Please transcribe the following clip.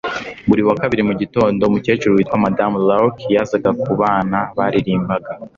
buri wa kabiri mugitondo umukecuru witwa madamu lark yazaga kubana baririmbaga